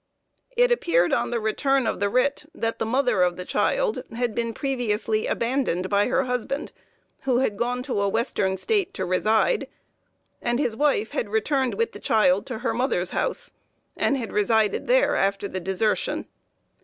It appeared on the return of the writ, that the mother of the child had been previously abandoned by her husband, who had gone to a western state to reside, and his wife had returned with the child to her mother's house, and had resided there after her desertion.